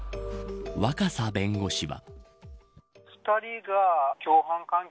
若狭弁護士は。